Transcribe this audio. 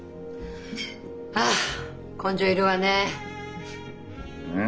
あ根性いるわねえ！